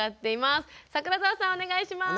お願いします。